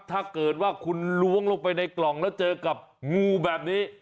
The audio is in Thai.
ถ้าเกิดว่าคุณล้วงลงไปในกล่องแล้วเจอกับงูแบบนี้